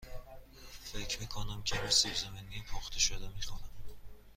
فکر می کنم کمی سیب زمینی پخته شده می خورم.